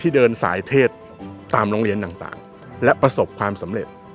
เดินสายเทศตามโรงเรียนต่างและประสบความสำเร็จ